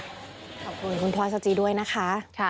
ขอบคุณคุณพชจริด้วยนะคะ